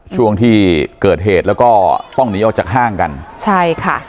ช่วงที่เกิดเหตุแล้วก็ต้องหนีออกจากห้างกันใช่ค่ะ